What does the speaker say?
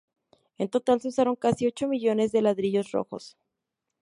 En total se usaron casi ocho millones de ladrillos rojos.